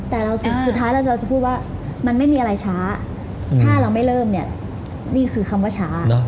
แต่สุดท้ายแล้วเราจะพูดว่ามันไม่มีอะไรช้าถ้าเราไม่เริ่มเนี่ยนี่คือคำว่าช้า